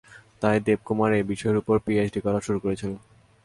তাই দেবকুমার এই বিষয়ের উপর পিএইচডি করা শুরু করেছিল।